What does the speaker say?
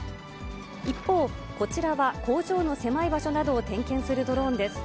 一方、こちらは工場の狭い場所などを点検するドローンです。